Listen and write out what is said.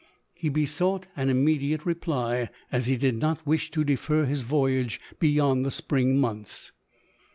He be sought an immediate reply, as be did not wish to defer his voyage beyond the spring months.